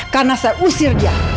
karena saya usir dia